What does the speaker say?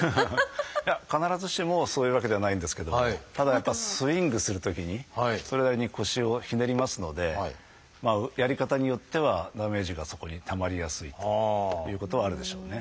いや必ずしもそういうわけではないんですけどもただやっぱスイングするときにそれなりに腰をひねりますのでやり方によってはダメージがそこにたまりやすいということはあるでしょうね。